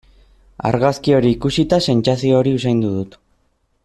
Argazki hori ikusita sentsazio hori usaindu dut.